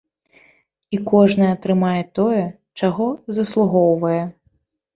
І кожны атрымае тое, чаго заслугоўвае.